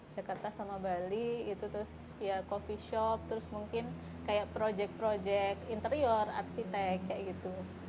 jakarta sama bali gitu terus ya coffee shop terus mungkin kayak project project interior arsitek kayak gitu